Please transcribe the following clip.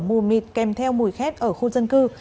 mùi mịt kèm theo mùi khét ở khu dân cư